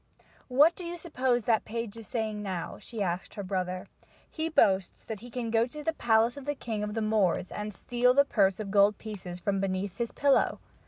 "What do you suppose that page is saying now?" she asked her brother. "He boasts that he can go to the palace of the king of the Moors and steal the purse of gold pieces from beneath his pillow."